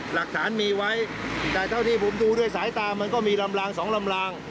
หลักฐานมีไว้แต่เท่าที่ผมดูด้วยสายตามันก็มีลำลางสองลำลาง